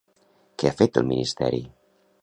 Què ha fet el ministeri?